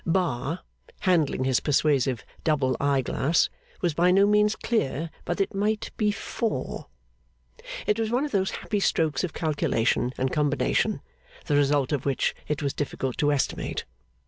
Bar, handling his persuasive double eye glass, was by no means clear but that it might be four. It was one of those happy strokes of calculation and combination, the result of which it was difficult to estimate.